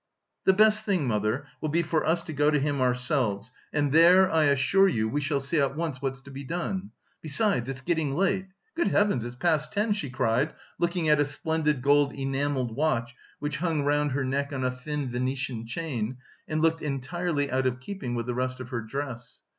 "The best thing, mother, will be for us to go to him ourselves and there I assure you we shall see at once what's to be done. Besides, it's getting late good heavens, it's past ten," she cried looking at a splendid gold enamelled watch which hung round her neck on a thin Venetian chain, and looked entirely out of keeping with the rest of her dress.